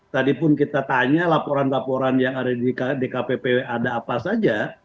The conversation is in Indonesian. tadi pun kita tanya laporan laporan yang ada di dkppw ada apa saja